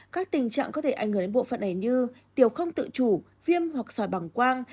các tình trạng có thể ảnh hưởng đến bộ phận này như tiểu không tự chủ viêm hoặc sỏi bằng quang